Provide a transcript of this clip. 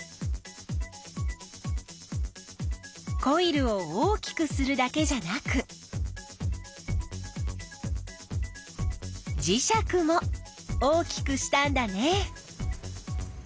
コイルを大きくするだけじゃなく磁石も大きくしたんだね。